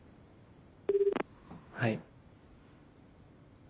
はい。